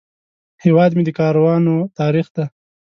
هیواد مې د کاروانو تاریخ دی